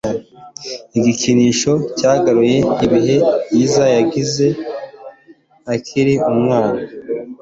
Igikinisho cyagaruye ibihe byiza yagize akiri umwana